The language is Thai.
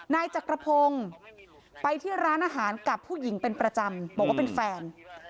นายจักรพงศ์ไปที่ร้านอาหารกับผู้หญิงเป็นประจำบอกว่าเป็นแฟน